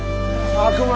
悪魔！